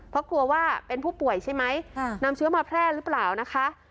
เพราะกลัวว่าเป็นผู้ป่วยใช่ไหมนำเชื้อมาแพร่หรือเปล่านะคะ